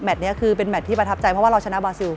นี้คือเป็นแมทที่ประทับใจเพราะว่าเราชนะบาซิล